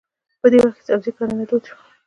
په دې وخت کې سبزي کرنه دود شوه.